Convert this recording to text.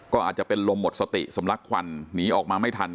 ก็อาจจะเป็นลมหมดสติสำลักควันหนีออกมาไม่ทัน